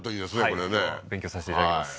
これね勉強させていただきます